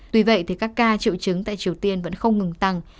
tuy vậy thì các ca triệu chứng tại triều tiên vẫn không ngừng tăng